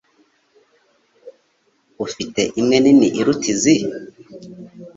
Ufite imwe nini iruta izi?